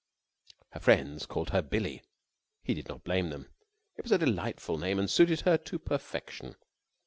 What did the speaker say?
Her friends called her Billie. He did not blame them. It was a delightful name and suited her to perfection.